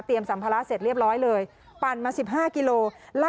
เตรียมสัมภาระเสร็จเรียบร้อยเลยปั่นมา๑๕กิโลกรัม